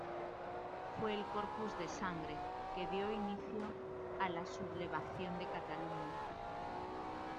Fue el Corpus de Sangre que dio inicio a la Sublevación de Cataluña.